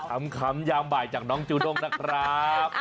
คำยามบ่ายจากน้องจูด้งนะครับ